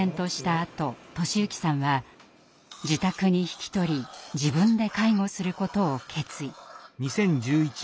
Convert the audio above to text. あと寿之さんは自宅に引き取り自分で介護することを決意。